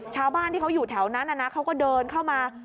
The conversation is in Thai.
ชาวบ้านที่เขาอยู่แถวนั้นเขาก็เดินเข้ามา